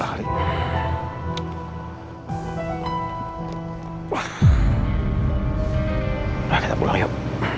nah kita pulang yuk